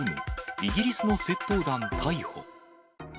イギリスの窃盗団逮捕。